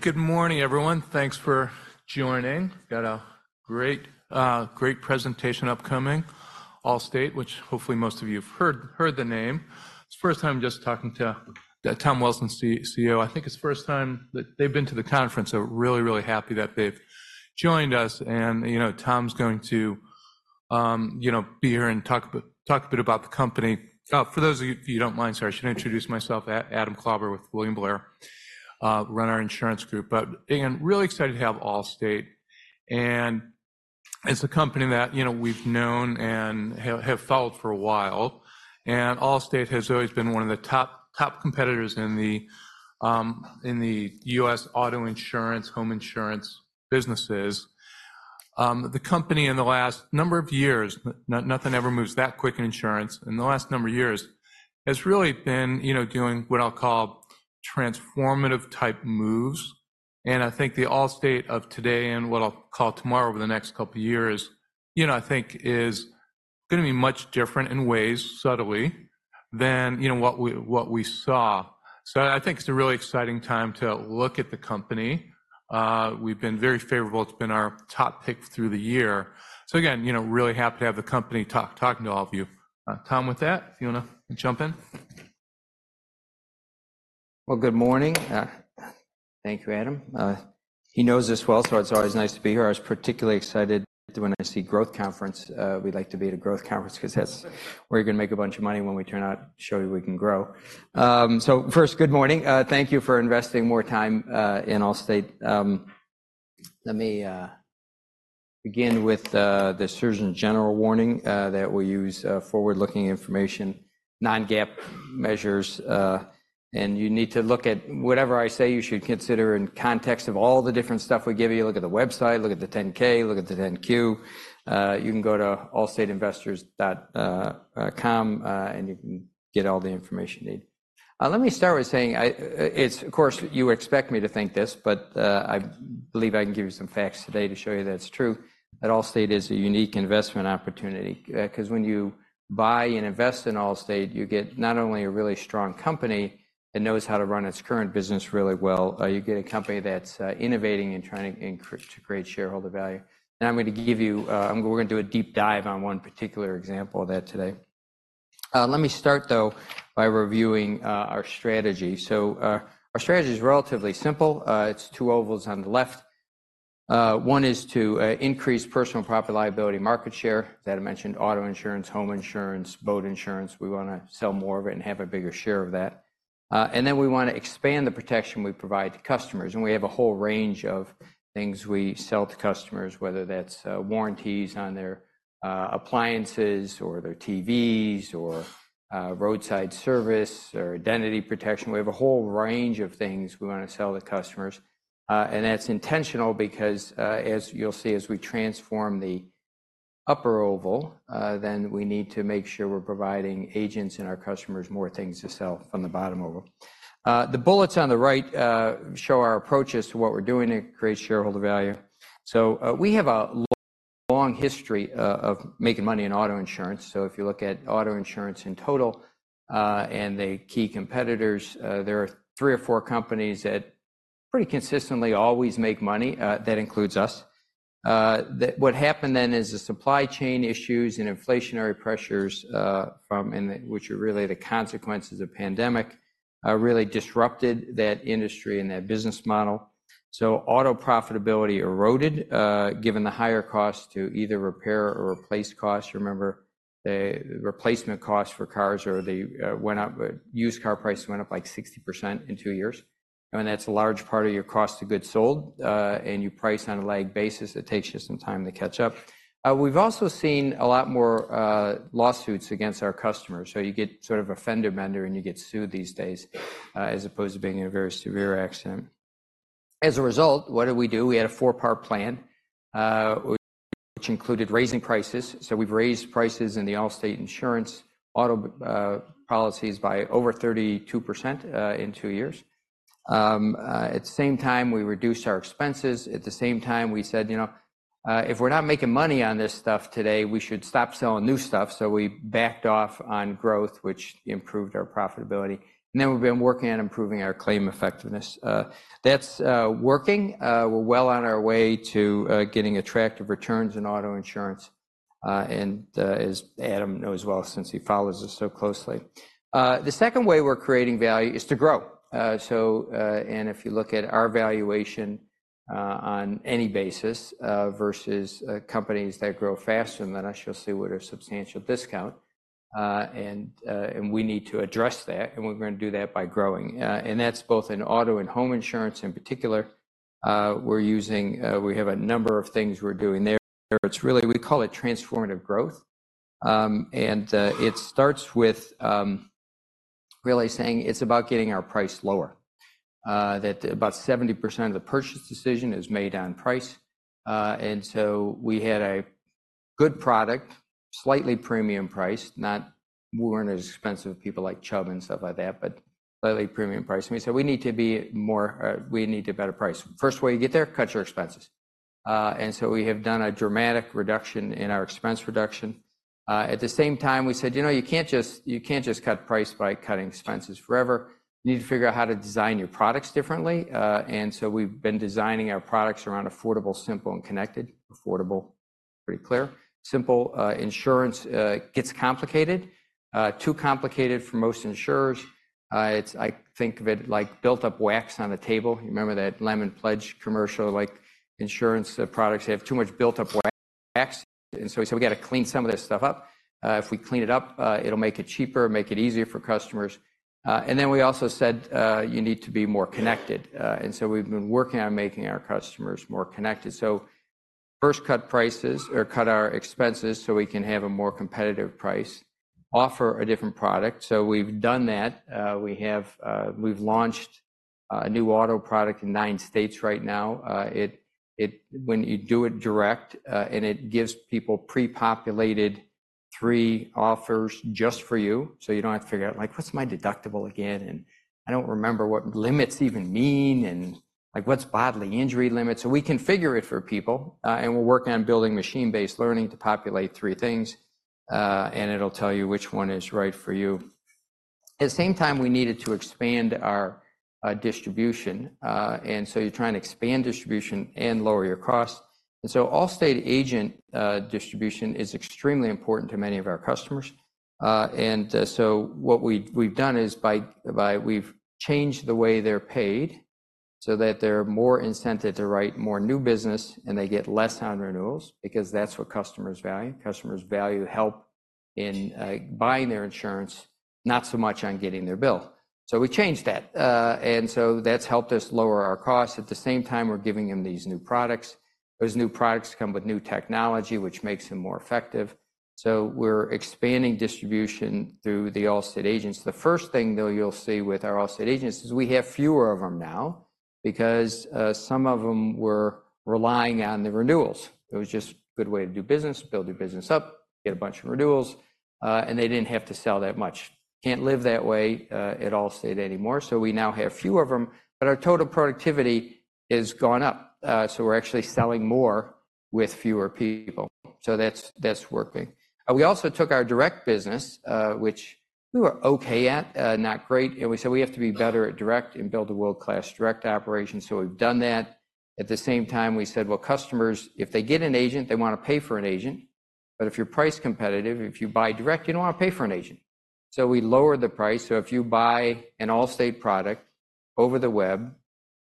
Good morning, everyone. Thanks for joining. Got a great, great presentation upcoming. Allstate, which hopefully most of you have heard the name. It's the first time just talking to Tom Wilson, CEO. I think it's the first time that they've been to the conference, so really, really happy that they've joined us. And, you know, Tom's going to, you know, be here and talk a bit, talk a bit about the company. For those of you, if you don't mind, sir, I should introduce myself. Adam Klauber with William Blair, run our insurance group. But again, really excited to have Allstate, and it's a company that, you know, we've known and have followed for a while. And Allstate has always been one of the top, top competitors in the U.S. auto insurance, home insurance businesses. The company in the last number of years, nothing ever moves that quick in insurance, in the last number of years, has really been, you know, doing what I'll call transformative type moves. And I think the Allstate of today and what I'll call tomorrow, over the next couple of years, you know, I think is gonna be much different in ways subtly than, you know, what we, what we saw. So I think it's a really exciting time to look at the company. We've been very favorable. It's been our top pick through the year. So again, you know, really happy to have the company talk, talking to all of you. Tom, with that, if you want to jump in. Well, good morning. Thank you, Adam. He knows us well, so it's always nice to be here. I was particularly excited when I see Growth Conference. We like to be at a Growth Conference because that's where you're gonna make a bunch of money when we turn out and show you we can grow. So first, good morning. Thank you for investing more time in Allstate. Let me begin with the Surgeon General warning that we use forward-looking information, non-GAAP measures, and you need to look at. Whatever I say, you should consider in context of all the different stuff we give you. Look at the website, look at the 10-K, look at the 10-Q. You can go to allstateinvestors.com, and you can get all the information you need. Let me start by saying I, it's, of course, you expect me to think this, but, I believe I can give you some facts today to show you that it's true, that Allstate is a unique investment opportunity. Because when you buy and invest in Allstate, you get not only a really strong company that knows how to run its current business really well, you get a company that's innovating and trying to increase, to create shareholder value. Now, I'm gonna give you, we're gonna do a deep dive on one particular example of that today. Let me start, though, by reviewing, our strategy. So, our strategy is relatively simple. It's two ovals on the left. One is to increase personal property liability market share. As I mentioned, auto insurance, home insurance, boat insurance. We want to sell more of it and have a bigger share of that. And then we want to expand the protection we provide to customers, and we have a whole range of things we sell to customers, whether that's warranties on their appliances or their TVs, or roadside service or identity protection. We have a whole range of things we want to sell to customers. And that's intentional because as you'll see, as we transform the upper oval, then we need to make sure we're providing agents and our customers more things to sell on the bottom oval. The bullets on the right show our approach as to what we're doing to create shareholder value. So, we have a long history of making money in auto insurance. So if you look at auto insurance in total, and the key competitors, there are three or four companies that pretty consistently always make money. That includes us. What happened then is the supply chain issues and inflationary pressures, from and which are really the consequences of pandemic, really disrupted that industry and that business model. So auto profitability eroded, given the higher cost to either repair or replace costs. Remember, the replacement costs for cars went up, used car prices went up by 60% in two years. I mean, that's a large part of your cost of goods sold, and you price on a lag basis, it takes you some time to catch up. We've also seen a lot more lawsuits against our customers. So you get sort of a fender bender, and you get sued these days, as opposed to being in a very severe accident. As a result, what did we do? We had a four-part plan, which included raising prices. So we've raised prices in the Allstate Insurance auto policies by over 32%, in two years. At the same time, we reduced our expenses. At the same time, we said: "You know, if we're not making money on this stuff today, we should stop selling new stuff." So we backed off on growth, which improved our profitability, and then we've been working on improving our claim effectiveness. That's working. We're well on our way to getting attractive returns in auto insurance, and as Adam knows well, since he follows us so closely. The second way we're creating value is to grow. So if you look at our valuation on any basis versus companies that grow faster than us, you'll see what a substantial discount, and we need to address that, and we're going to do that by growing. That's both in auto and home insurance in particular. We have a number of things we're doing there. It's really, we call it transformative growth. It starts with really saying it's about getting our price lower, that about 70% of the purchase decision is made on price. So we had a good product, slightly premium price. Not, we weren't as expensive as people like Chubb and stuff like that, but slightly premium price. We said, "We need to be more, we need a better price." First way you get there, cut your expenses, and so we have done a dramatic reduction in our expense reduction. At the same time, we said, "You know, you can't just, you can't just cut price by cutting expenses forever. You need to figure out how to design your products differently." And so we've been designing our products around affordable, simple, and connected. Affordable, pretty clear. Simple, insurance gets complicated, too complicated for most insurers. It's. I think of it like built-up wax on a table. You remember that Lemon Pledge commercial? Like, insurance products have too much built-up wax. And so we said, "We got to clean some of this stuff up. If we clean it up, it'll make it cheaper, make it easier for customers." And then we also said, "You need to be more connected." And so we've been working on making our customers more connected. So first, cut prices or cut our expenses so we can have a more competitive price, offer a different product. So we've done that. We've launched a new auto product in nine states right now. It, when you do it direct, and it gives people pre-populated three offers just for you, so you don't have to figure out, like, "What's my deductible again? And I don't remember what limits even mean, and, like, what's bodily injury limits?" So we configure it for people, and we're working on building machine-based learning to populate three things, and it'll tell you which one is right for you. At the same time, we needed to expand our distribution, and so you're trying to expand distribution and lower your costs. And so Allstate agent distribution is extremely important to many of our customers. And so what we've done is we've changed the way they're paid so that they're more incented to write more new business, and they get less on renewals because that's what customers value. Customers value help in buying their insurance, not so much on getting their bill. So we changed that. And so that's helped us lower our costs. At the same time, we're giving them these new products. Those new products come with new technology, which makes them more effective. So we're expanding distribution through the Allstate agents. The first thing, though, you'll see with our Allstate agents is we have fewer of them now because some of them were relying on the renewals. It was just a good way to do business, build your business up, get a bunch of renewals, and they didn't have to sell that much. Can't live that way at Allstate anymore. So we now have fewer of them, but our total productivity has gone up. So we're actually selling more with fewer people, so that's, that's working. We also took our direct business, which we were okay at, not great, and we said, "We have to be better at direct and build a world-class direct operation." So we've done that. At the same time, we said, "Well, customers, if they get an agent, they want to pay for an agent. But if you're price competitive, if you buy direct, you don't want to pay for an agent." So we lowered the price. So if you buy an Allstate product over the web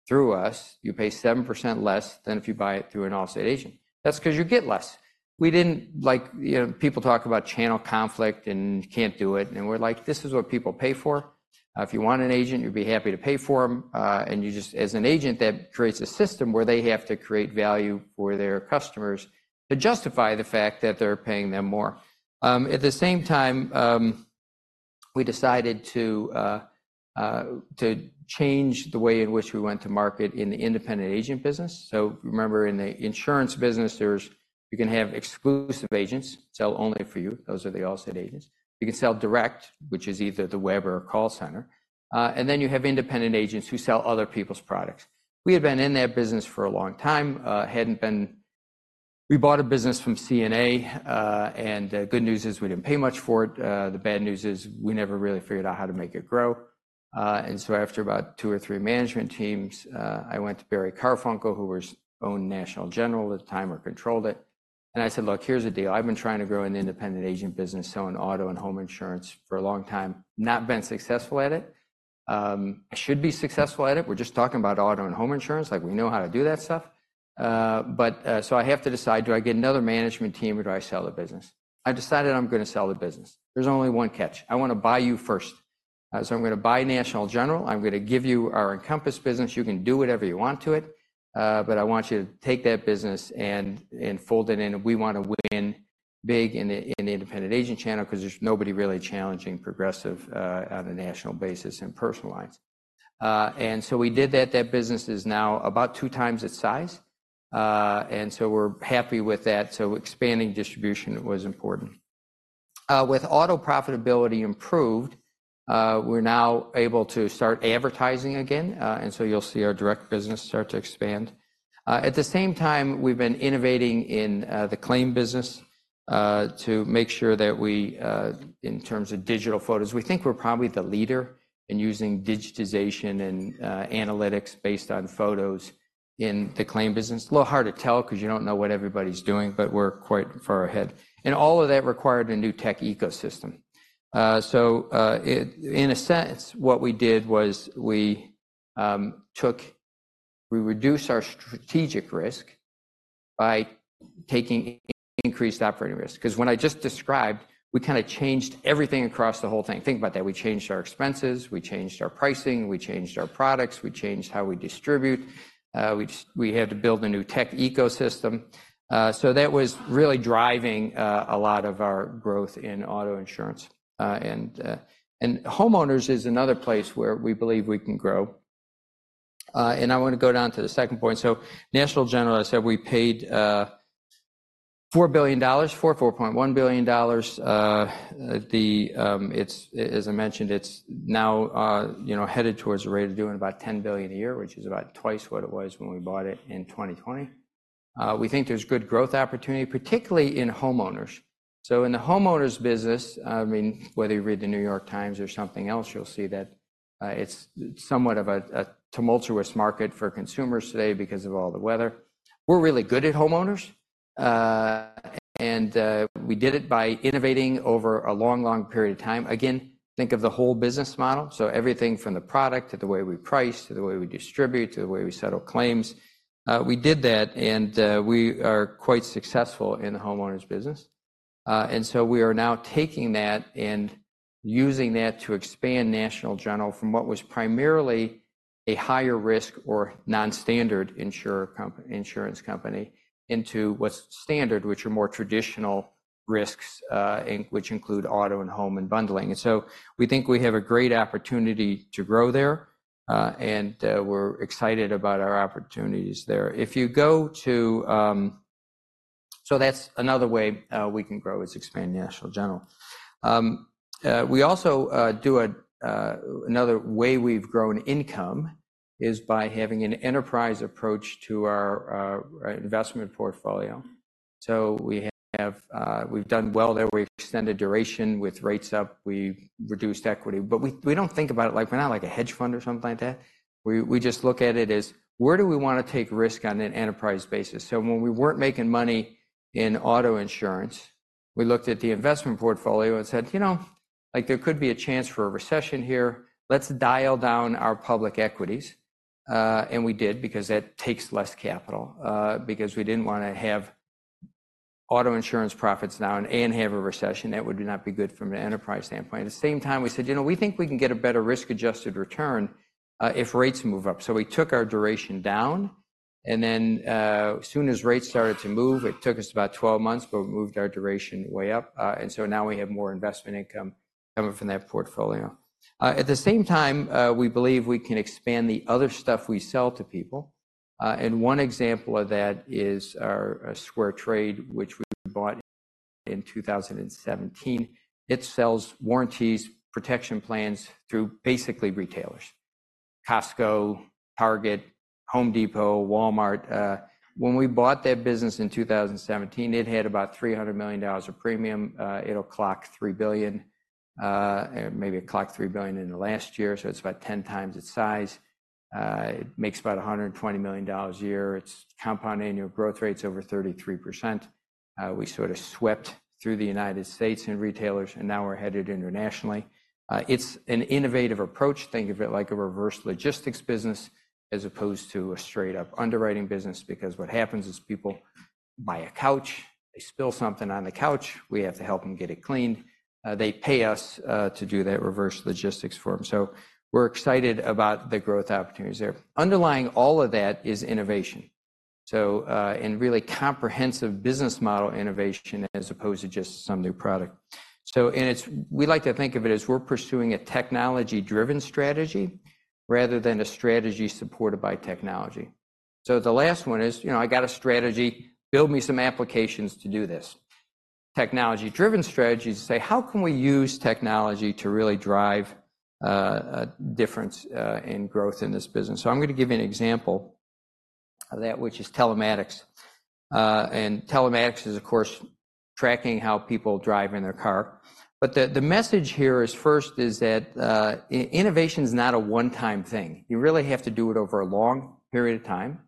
through us, you pay 7% less than if you buy it through an Allstate agent. That's 'cause you get less. We didn't like... You know, people talk about channel conflict and can't do it, and we're like: This is what people pay for. If you want an agent, you'd be happy to pay for them. And you just as an agent, that creates a system where they have to create value for their customers to justify the fact that they're paying them more. At the same time, we decided to change the way in which we went to market in the independent agent business. So remember, in the insurance business, there's. You can have exclusive agents sell only for you. Those are the Allstate agents. You can sell direct, which is either the web or a call center. And then you have independent agents who sell other people's products. We had been in that business for a long time, hadn't been. We bought a business from CNA, and, good news is we didn't pay much for it. The bad news is we never really figured out how to make it grow. and so after about two or three management teams, I went to Barry Karfunkel, who owned National General at the time, or controlled it, and I said, "Look, here's the deal. I've been trying to grow an independent agent business selling auto and home insurance for a long time, not been successful at it. I should be successful at it. We're just talking about auto and home insurance, like, we know how to do that stuff. but, so I have to decide, do I get another management team, or do I sell the business? I've decided I'm gonna sell the business. There's only one catch: I want to buy you first. so I'm gonna buy National General. I'm gonna give you our Encompass business. You can do whatever you want to it, but I want you to take that business and fold it in, and we want to win big in the independent agent channel because there's nobody really challenging Progressive on a national basis in personal lines." And so we did that. That business is now about two times its size, and so we're happy with that. So expanding distribution was important. With auto profitability improved, we're now able to start advertising again, and so you'll see our direct business start to expand. At the same time, we've been innovating in the claim business to make sure that we in terms of digital photos, we think we're probably the leader in using digitization and analytics based on photos in the claim business. A little hard to tell 'cause you don't know what everybody's doing, but we're quite far ahead, and all of that required a new tech ecosystem. So, in a sense, what we did was we reduced our strategic risk by taking increased operating risk. 'Cause what I just described, we kind of changed everything across the whole thing. Think about that. We changed our expenses, we changed our pricing, we changed our products, we changed how we distribute, we just had to build a new tech ecosystem. So that was really driving a lot of our growth in auto insurance. And homeowners is another place where we believe we can grow. And I want to go down to the second point. So National General, I said we paid $4 billion, $4.1 billion. It's, as I mentioned, it's now, you know, headed towards a rate of doing about $10 billion a year, which is about twice what it was when we bought it in 2020. We think there's good growth opportunity, particularly in homeowners. So in the homeowners business, I mean, whether you read The New York Times or something else, you'll see that, it's somewhat of a tumultuous market for consumers today because of all the weather. We're really good at homeowners, and we did it by innovating over a long, long period of time. Again, think of the whole business model, so everything from the product, to the way we price, to the way we distribute, to the way we settle claims. We did that, and we are quite successful in the homeowners business. And so we are now taking that and using that to expand National General from what was primarily a higher risk or non-standard insurer insurance company into what's standard, which are more traditional risks, in which include auto and home and bundling. And so we think we have a great opportunity to grow there, and we're excited about our opportunities there. If you go to... So that's another way we can grow, is expand National General. We also another way we've grown income is by having an enterprise approach to our our investment portfolio. So we have, we've done well there. We've extended duration with rates up. We've reduced equity. But we, we don't think about it like we're not like a hedge fund or something like that. We just look at it as, where do we want to take risk on an enterprise basis? So when we weren't making money in auto insurance, we looked at the investment portfolio and said, "You know, like, there could be a chance for a recession here. Let's dial down our public equities." And we did because that takes less capital, because we didn't want to have auto insurance profits now and have a recession. That would not be good from an enterprise standpoint. At the same time, we said, "You know, we think we can get a better risk-adjusted return if rates move up." So we took our duration down, and then, as soon as rates started to move, it took us about 12 months, but we moved our duration way up. And so now we have more investment income coming from that portfolio. At the same time, we believe we can expand the other stuff we sell to people. And one example of that is our SquareTrade, which we bought in 2017. It sells warranties, protection plans through basically retailers: Costco, Target, Home Depot, Walmart. When we bought that business in 2017, it had about $300 million of premium. It'll clock $3 billion, maybe it clocked $3 billion in the last year, so it's about 10 times its size. It makes about $120 million a year. Its compound annual growth rate's over 33%. We sort of swept through the United States and retailers, and now we're headed internationally. It's an innovative approach. Think of it like a reverse logistics business as opposed to a straight-up underwriting business because what happens is people buy a couch, they spill something on the couch, we have to help them get it cleaned. They pay us to do that reverse logistics for them. So we're excited about the growth opportunities there. Underlying all of that is innovation, so, and really comprehensive business model innovation as opposed to just some new product. So and it's, we like to think of it as we're pursuing a technology-driven strategy rather than a strategy supported by technology. So the last one is, you know, I got a strategy, build me some applications to do this. Technology-driven strategies say, how can we use technology to really drive a difference in growth in this business? So I'm going to give you an example of that, which is telematics. Telematics is, of course, tracking how people drive in their car. But the message here is, first, is that innovation is not a one-time thing. You really have to do it over a long period of time.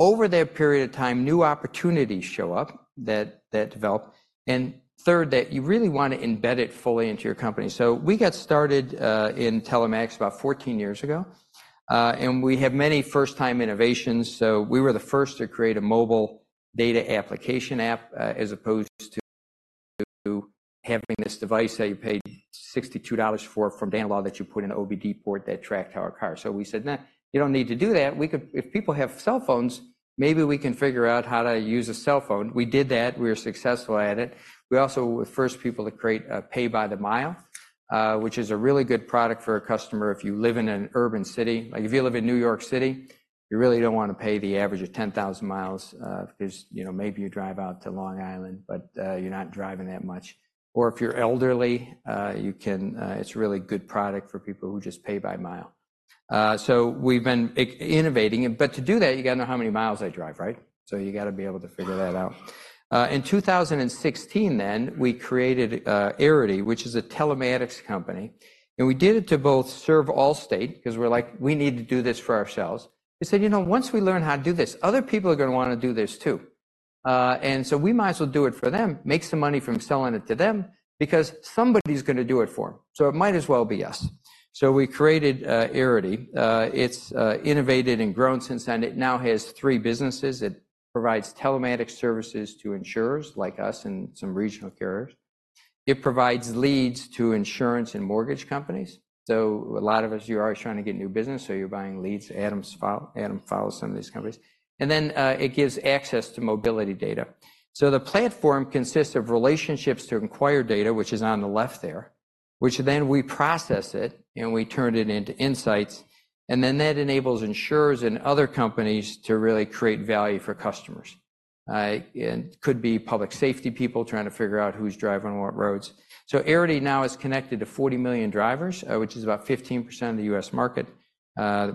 Over that period of time, new opportunities show up that develop, and third, that you really want to embed it fully into your company. So we got started in telematics about 14 years ago, and we have many first-time innovations. So we were the first to create a mobile data application app, as opposed to having this device that you paid $62 for from Danlaw that you put in an OBD port that tracked our car. So we said, "Nah, you don't need to do that. If people have cell phones, maybe we can figure out how to use a cell phone." We did that. We were successful at it. We also were the first people to create pay-by-the-mile, which is a really good product for a customer if you live in an urban city. Like, if you live in New York City, you really don't want to pay the average of 10,000 miles, if there's... You know, maybe you drive out to Long Island, but you're not driving that much. Or if you're elderly, you can, it's a really good product for people who just pay by mile. So we've been innovating, but to do that, you got to know how many miles they drive, right? So you got to be able to figure that out. In 2016 then, we created Arity, which is a telematics company, and we did it to both serve Allstate because we're like, "We need to do this for ourselves." We said, "You know, once we learn how to do this, other people are going to want to do this too. And so we might as well do it for them, make some money from selling it to them because somebody's going to do it for them, so it might as well be us." So we created Arity. It's innovated and grown since then, and it now has three businesses. It provides telematics services to insurers like us and some regional carriers. It provides leads to insurance and mortgage companies. So a lot of us, you're always trying to get new business, so you're buying leads. Adam follows some of these companies, and then it gives access to mobility data. So the platform consists of relationships to acquired data, which is on the left there, which then we process it, and we turn it into insights, and then that enables insurers and other companies to really create value for customers. And could be public safety people trying to figure out who's driving on what roads. So Arity now is connected to 40 million drivers, which is about 15% of the U.S. market.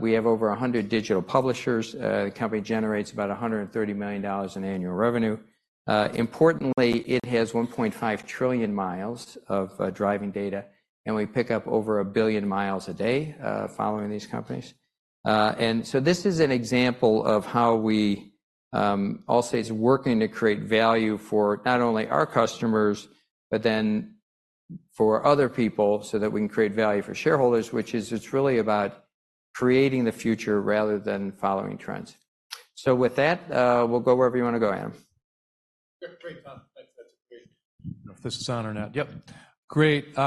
We have over 100 digital publishers. The company generates about $130 million in annual revenue. Importantly, it has 1.5 trillion miles of driving data, and we pick up over 1 billion miles a day, following these companies. And so this is an example of how we, Allstate is working to create value for not only our customers, but then for other people, so that we can create value for shareholders, which is, it's really about creating the future rather than following trends. So with that, we'll go wherever you want to go, Adam. Yeah, great, Tom. That's, that's great. I don't know if this is on or not. Yep, great.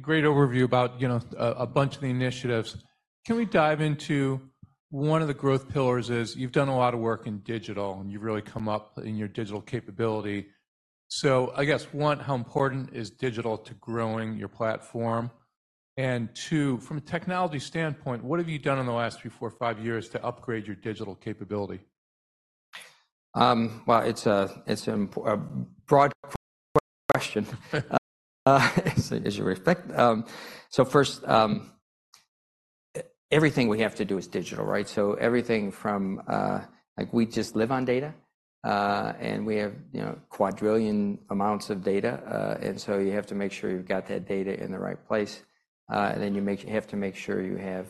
Great overview about, you know, a bunch of the initiatives. Can we dive into one of the growth pillars is you've done a lot of work in digital, and you've really come up in your digital capability. So I guess, one, how important is digital to growing your platform? And two, from a technology standpoint, what have you done in the last three, four, five years to upgrade your digital capability? Well, it's an important, broad question, as you would expect. So first, everything we have to do is digital, right? So everything from, like, we just live on data, and we have, you know, quadrillion amounts of data, and so you have to make sure you've got that data in the right place. Then you have to make sure you have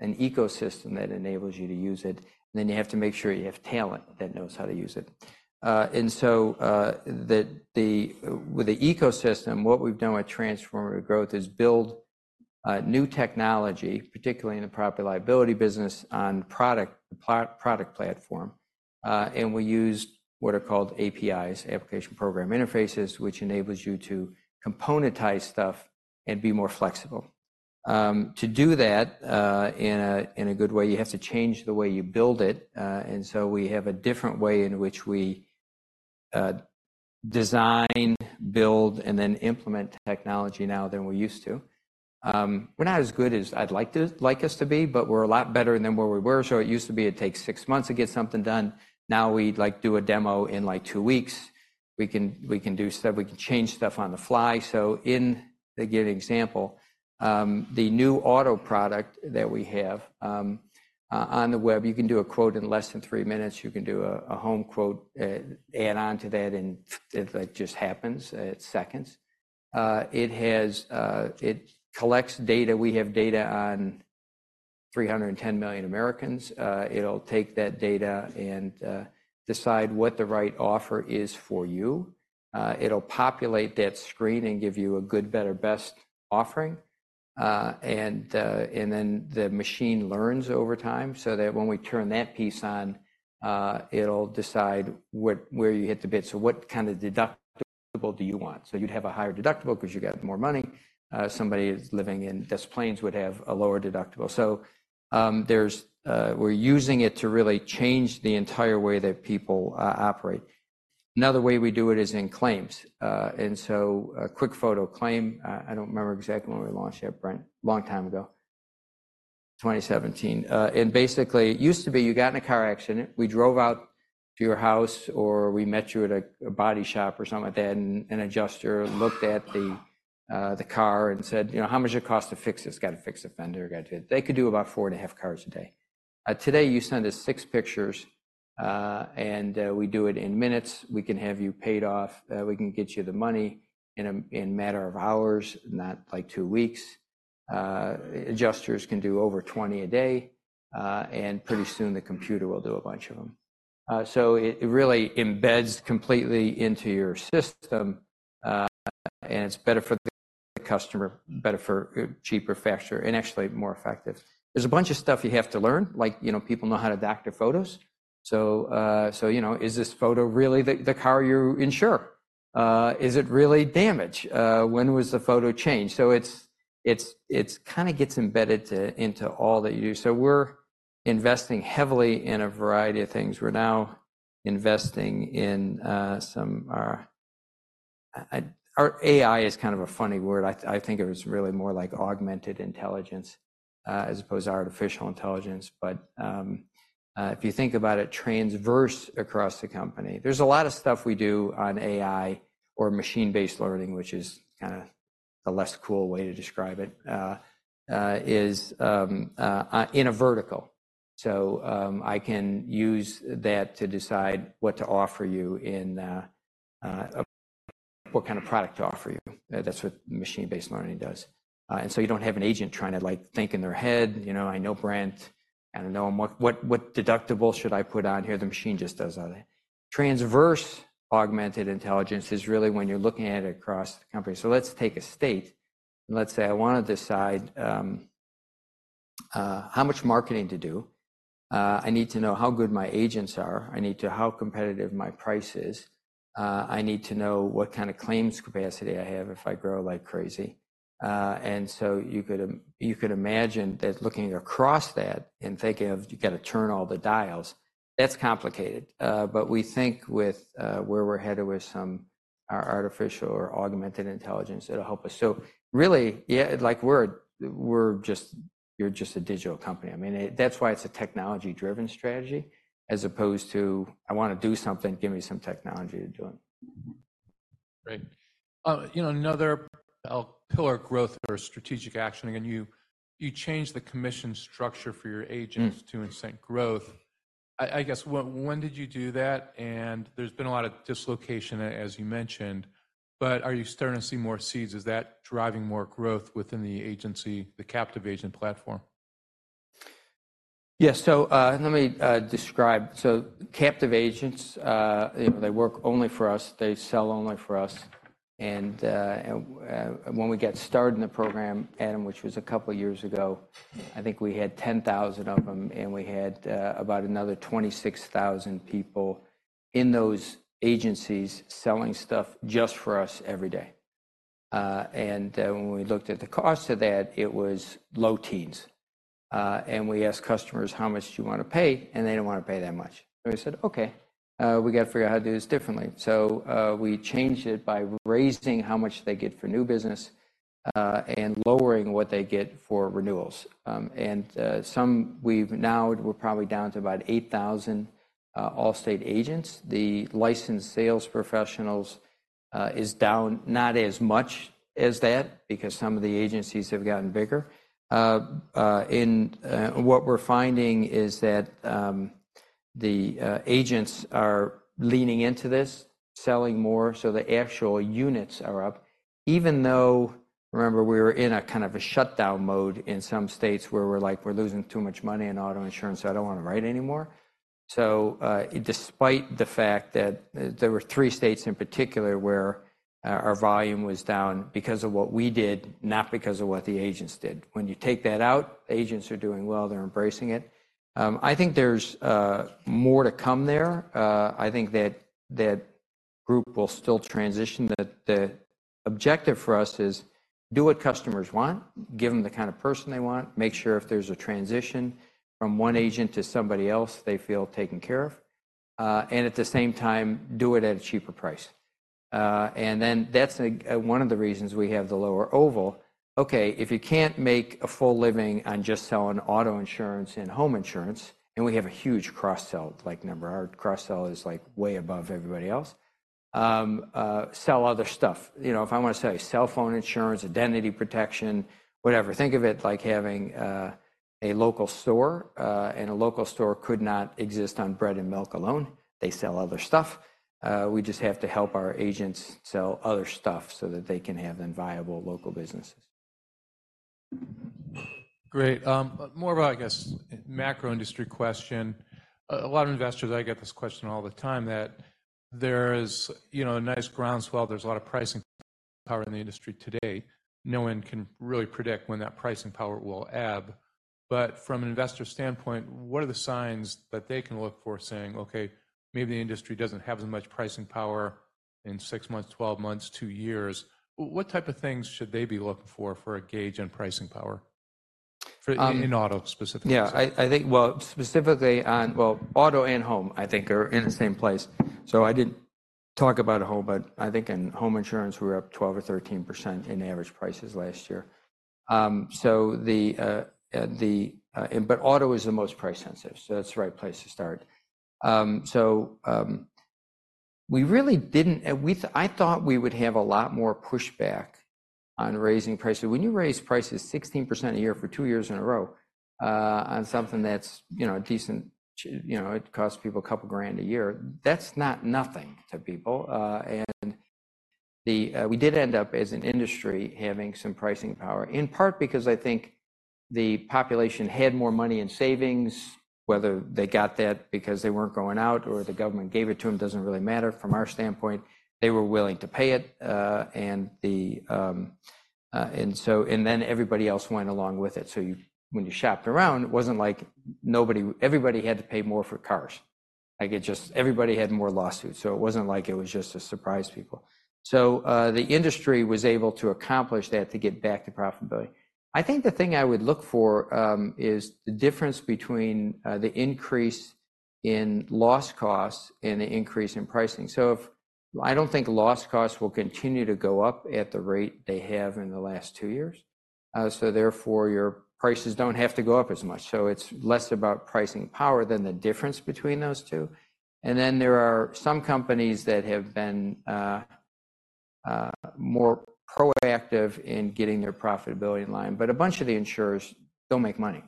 an ecosystem that enables you to use it, and then you have to make sure you have talent that knows how to use it. And so, with the ecosystem, what we've done with transformative growth is build new technology, particularly in the property liability business, on proprietary product platform. And we use what are called APIs, application programming interfaces, which enables you to componentize stuff and be more flexible. To do that, in a good way, you have to change the way you build it. And so we have a different way in which we, design, build, and then implement technology now than we used to. We're not as good as I'd like us to be, but we're a lot better than where we were. So it used to be it'd take six months to get something done. Now, we'd, like, do a demo in, like, two weeks. We can, we can do stuff. We can change stuff on the fly. So in the given example, the new auto product that we have, on the web, you can do a quote in less than three minutes. You can do a home quote, add on to that, and it, like, just happens, in seconds. It has... It collects data. We have data on 310 million Americans. It'll take that data and decide what the right offer is for you. It'll populate that screen and give you a good, better, best offering. And then the machine learns over time so that when we turn that piece on, it'll decide what, where you hit the bid. So what kind of deductible do you want? So you'd have a higher deductible 'cause you've got more money. Somebody who's living in Des Plaines would have a lower deductible. So, there's... We're using it to really change the entire way that people operate. Another way we do it is in claims. So a QuickFoto Claim, I don't remember exactly when we launched it, Brent. A long time ago, 2017. And basically, it used to be you got in a car accident, we drove out to your house, or we met you at a body shop or something like that, and an adjuster looked at the car and said: "You know, how much it cost to fix this? Got to fix the fender, got to..." They could do about 4.5 cars a day. Today, you send us 6 pictures, and we do it in minutes. We can have you paid off. We can get you the money in a matter of hours, not, like, 2 weeks. Adjusters can do over 20 a day, and pretty soon, the computer will do a bunch of them. So it really embeds completely into your system, and it's better for the customer, better for cheaper, faster, and actually more effective. There's a bunch of stuff you have to learn, like, you know, people know how to adapt their photos. So, you know, is this photo really the car you insure? Is it really damage? When was the photo changed? So it's kind of gets embedded to, into all that you do. So we're investing heavily in a variety of things. We're now investing in some... AI is kind of a funny word. I think it was really more like augmented intelligence, as opposed to artificial intelligence. But, if you think about it, traverses across the company, there's a lot of stuff we do on AI or machine-based learning which is kinda a less cool way to describe it, in a vertical. So, I can use that to decide what to offer you in what kind of product to offer you. That's what machine-based learning does. And so you don't have an agent trying to, like, think in their head, "You know, I know Brent, and I know him. What deductible should I put on here?" The machine just does all that. Traversing augmented intelligence is really when you're looking at it across the company. So let's take a state, and let's say I wanna decide how much marketing to do. I need to know how good my agents are. I need to know how competitive my price is. I need to know what kind of claims capacity I have if I grow like crazy. And so you could imagine that looking across that and thinking of, you gotta turn all the dials. That's complicated. But we think with where we're headed with some our artificial or augmented intelligence, it'll help us. So really, yeah, like we're just a digital company. I mean, it. That's why it's a technology-driven strategy as opposed to, "I wanna do something, give me some technology to do it. Great. You know, another pillar of growth or strategic action. Again, you changed the commission structure for your agents to incent growth. I guess, when did you do that? And there's been a lot of dislocation, as you mentioned, but are you starting to see more seeds? Is that driving more growth within the agency, the captive agent platform? Yeah. So, let me describe. So captive agents, they work only for us. They sell only for us. And, when we got started in the program, Adam, which was a couple of years ago, I think we had 10,000 of them, and we had, about another 26,000 people in those agencies selling stuff just for us every day. And, when we looked at the cost of that, it was low teens. And we asked customers: how much do you want to pay? And they didn't want to pay that much. We said, "Okay, we got to figure out how to do this differently." So, we changed it by raising how much they get for new business, and lowering what they get for renewals. And we're probably down to about 8,000 Allstate agents. The licensed sales professionals is down not as much as that because some of the agencies have gotten bigger. And what we're finding is that the agents are leaning into this, selling more, so the actual units are up. Even though, remember, we were in a kind of a shutdown mode in some states where we're like, "We're losing too much money in auto insurance, so I don't want to write anymore." So, despite the fact that there were three states in particular where our volume was down because of what we did, not because of what the agents did. When you take that out, agents are doing well, they're embracing it. I think there's more to come there. I think that that group will still transition. The objective for us is do what customers want, give them the kind of person they want, make sure if there's a transition from one agent to somebody else, they feel taken care of, and at the same time, do it at a cheaper price. And then that's one of the reasons we have the lower oval. Okay, if you can't make a full living on just selling auto insurance and home insurance, and we have a huge cross-sell, like, number, our cross-sell is, like, way above everybody else. Sell other stuff. You know, if I want to sell you cell phone insurance, identity protection, whatever, think of it like having a local store, and a local store could not exist on bread and milk alone. They sell other stuff. We just have to help our agents sell other stuff so that they can have then viable local businesses. Great. More of a, I guess, macro industry question. A lot of investors, I get this question all the time, that there's, you know, a nice groundswell, there's a lot of pricing power in the industry today. No one can really predict when that pricing power will ebb. But from an investor standpoint, what are the signs that they can look for, saying, "Okay, maybe the industry doesn't have as much pricing power in six months, twelve months, two years." What type of things should they be looking for for a gauge on pricing power, for in auto, specifically? Yeah, I think, well, specifically on... Well, auto and home, I think are in the same place. So I didn't talk about home, but I think in home insurance, we were up 12% or 13% in average prices last year. So, but auto is the most price sensitive, so that's the right place to start. So, we really didn't. I thought we would have a lot more pushback on raising prices. When you raise prices 16% a year for two years in a row, on something that's, you know, a decent, you know, it costs people $2,000 a year, that's not nothing to people. We did end up as an industry having some pricing power, in part because I think the population had more money in savings, whether they got that because they weren't going out or the government gave it to them, doesn't really matter from our standpoint. They were willing to pay it, and then everybody else went along with it. So you, when you shopped around, it wasn't like nobody—everybody had to pay more for cars. Like, it just, everybody had more lawsuits, so it wasn't like it was just to surprise people. So, the industry was able to accomplish that to get back to profitability. I think the thing I would look for is the difference between the increase in loss costs and the increase in pricing. So, I don't think loss costs will continue to go up at the rate they have in the last two years, so therefore, your prices don't have to go up as much. So it's less about pricing power than the difference between those two. And then there are some companies that have been more proactive in getting their profitability in line, but a bunch of the insurers don't make money,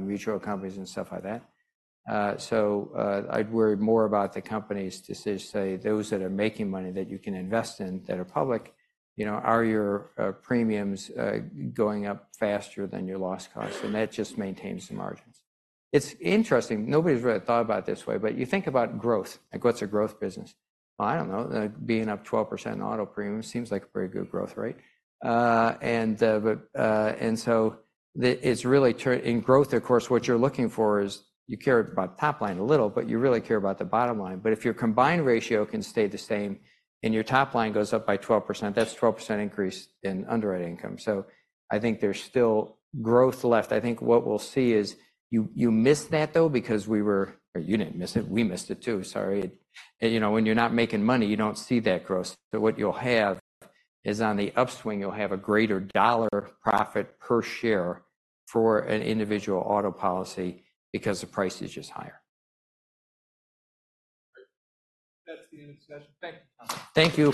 mutual companies and stuff like that. So I'd worry more about the companies to say, those that are making money, that you can invest in, that are public. You know, are your premiums going up faster than your loss costs? And that just maintains the margins. It's interesting. Nobody's really thought about it this way, but you think about growth, like, what's a growth business? I don't know. Being up 12% auto premium seems like a pretty good growth rate. It's really true, in growth, of course, what you're looking for is you care about the top line a little, but you really care about the bottom line. But if your combined ratio can stay the same and your top line goes up by 12%, that's 12% increase in underwriting income. So I think there's still growth left. I think what we'll see is you missed that, though, because we were... Or you didn't miss it, we missed it, too. Sorry. You know, when you're not making money, you don't see that growth. So what you'll have is on the upswing, you'll have a greater dollar profit per share for an individual auto policy because the price is just higher. That's the end of the discussion. Thank you, Tom. Thank you.